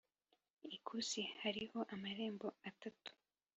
ikusi hariho amarembo atatu,